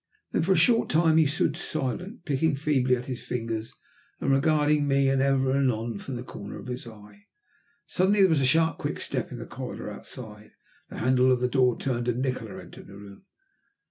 Then for a short time he stood silent, picking feebly at his fingers and regarding me ever and anon from the corner of his eye. Suddenly there was a sharp quick step in the corridor outside, the handle of the door turned, and Nikola entered the room.